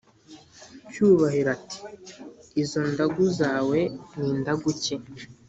cyubahiro ati"izo ndagu zawe nindagu ki?"